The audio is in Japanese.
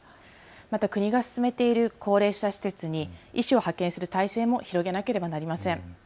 また国が進めている高齢者施設に医師を派遣する体制も広げなければなりません。